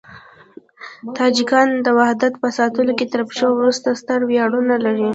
تاجکان د وحدت په ساتلو کې تر پښتنو وروسته ستر ویاړونه لري.